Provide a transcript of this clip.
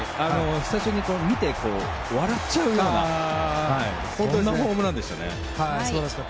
最初に見て笑っちゃうようなそんなホームランでしたね。